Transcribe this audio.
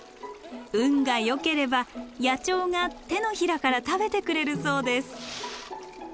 運がよければ野鳥が手のひらから食べてくれるそうです。